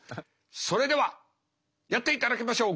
それではやっていただきましょう。